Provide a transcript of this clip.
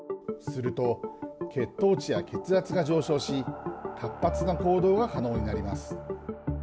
すると、血糖値や血圧が上昇し活発な行動が可能になります。